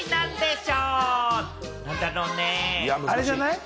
あれじゃない？